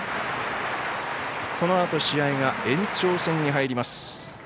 このあと、試合が延長戦に入ります。